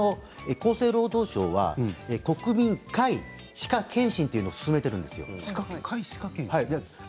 厚生労働省は国民１回歯科検診というのを勧めているんですよ。